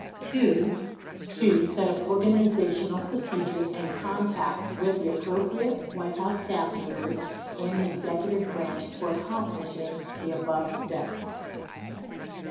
2. To set up organizational procedures and contacts with the appropriate White House Staff members and the Execu tive Branch for accomplishing the above steps.